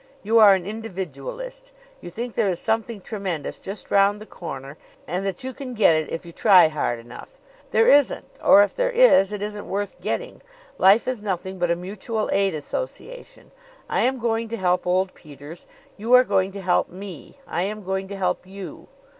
You are an individualist. You think there is something tremendous just round the corner and that you can get it if you try hard enough. There isn't or if there is it isn't worth getting. Life is nothing but a mutual aid association. I am going to help old Peters you are going to help me I am going to help you."